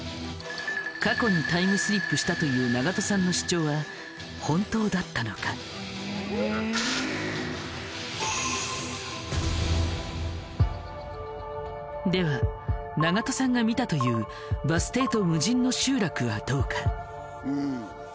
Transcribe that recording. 過去にタイムスリップしたという長門さんのでは長門さんが見たというバス停と無人の集落はどうか？